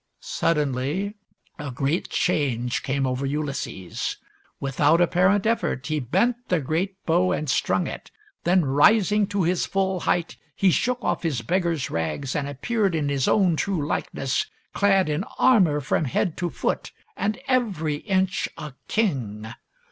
Suddenly a great change came over Ulysses. Without apparent effort he bent the great bow and strung it. Then, rising to his full height, he shook off his beggar's rags and appeared in his own true likeness, clad in armor from head to foot, and every inch a king.